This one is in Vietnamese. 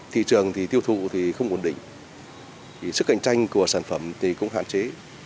thị trường tiêu thụ không ổn định sức cạnh tranh của sản phẩm cũng hạn chế